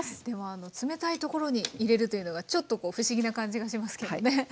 でも冷たいところに入れるというのがちょっと不思議な感じがしますけどね。